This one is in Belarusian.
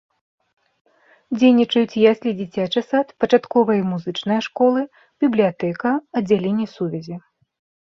Дзейнічаюць яслі і дзіцячы сад, пачатковая і музычная школы, бібліятэка, аддзяленне сувязі.